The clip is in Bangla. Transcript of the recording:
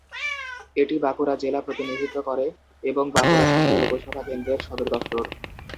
এটি বাঁকুড়া জেলা প্রতিনিধিত্ব করে এবং বাঁকুড়া শহরে লোকসভা কেন্দ্রের সদর দফতর।